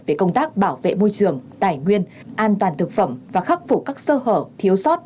về công tác bảo vệ môi trường tài nguyên an toàn thực phẩm và khắc phục các sơ hở thiếu sót